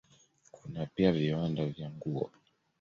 Kuna pia viwanda vya nguo.